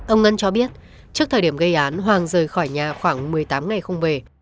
ông ngân cho biết trước thời điểm gây án hoàng rời khỏi nhà khoảng một mươi tám ngày không về